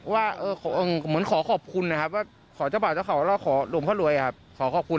เรารู้ว่าน้วนนี้คือขาขายต่อมาได้ครับลงมารวยทำดีได้ดีครับ